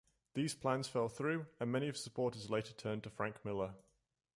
These plans fell through, and many of his supporters later turned to Frank Miller.